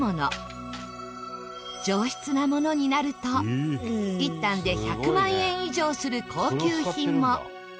上質なものになると１反で１００万円以上する高級品も。